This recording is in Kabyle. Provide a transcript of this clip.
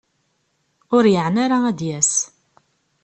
Ur yeɛni ara ad d-yas.